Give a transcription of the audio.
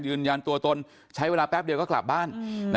ยืนยันตัวตนใช้เวลาแป๊บเดียวก็กลับบ้าน